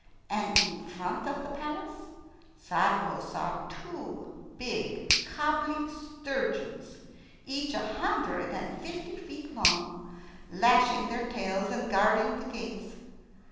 And in front of the palace Sadko saw two big kobbly sturgeons, each a hundred and fifty feet long, lashing their tails and guarding the gates.